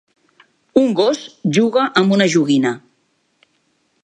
un gos juga amb una joguina.